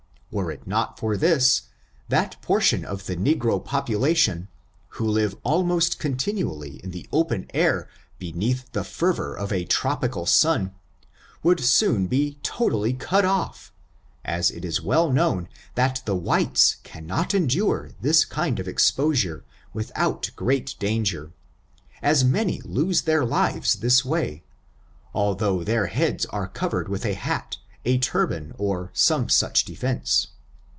Were it not for this, that portion of the ne gro population, who live almost continually in the open air beneath the fervor of a tropical sun, would soon be totally cut off, as it is well known that the whites cannot endure this kind of exposure without great danger, as many lose their lives this way, al though their heads are covered with a hat, a turban, or some such defense.